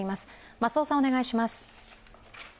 増尾さん、お願いします。